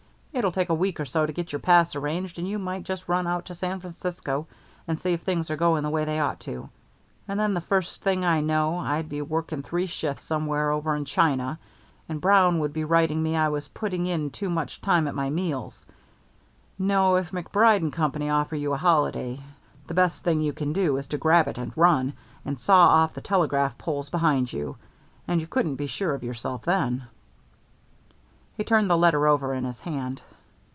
It'll take a week or so to get your pass arranged, and you might just run out to San Francisco and see if things are going the way they ought to,' And then the first thing I knew I'd be working three shifts somewhere over in China, and Brown would be writing me I was putting in too much time at my meals. No, if MacBride & Company offer you a holiday, the best thing you can do is to grab it, and run, and saw off the telegraph poles behind you. And you couldn't be sure of yourself then." He turned the letter over in his hand.